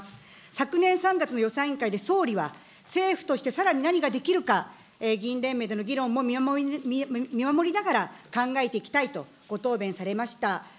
昨年３月の予算委員会で総理は、政府としてさらに何ができるか、議員連盟での議論も見守りながら考えていきたいとご答弁されました。